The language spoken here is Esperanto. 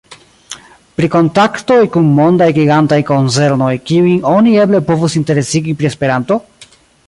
Pri kontaktoj kun mondaj gigantaj konzernoj, kiujn oni eble povus interesigi pri Esperanto?